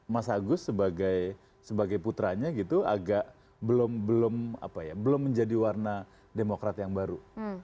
mas agus sebagai putranya gitu agak belum menjadi warna demokrat yang baru